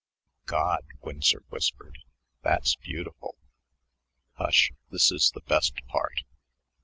'" "God," Winsor whispered, "that's beautiful." "Hush. This is the best part."